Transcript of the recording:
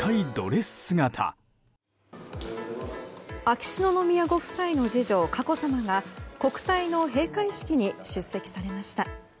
秋篠宮ご夫妻の次女佳子さまが国体の閉会式に出席されました。